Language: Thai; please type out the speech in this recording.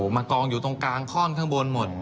มากองอยู่ตรงกลางข้อนข้างบนหมด